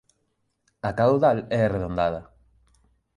A caudal é arredondada.